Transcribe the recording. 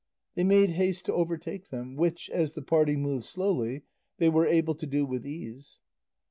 They made haste to overtake them, which, as the party moved slowly, they were able to do with ease.